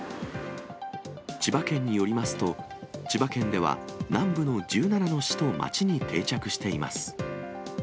千葉県によりますと、千葉県では南部の１７の市と町に定着しています。